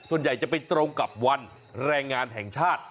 ส่วนใหญ่จะไปตรงกับวันแรงงานแห่งชาติ